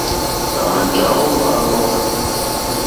À mà jàwó mbáǃáŋɡó.